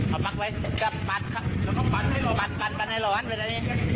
เอาปากตาปากตาเลย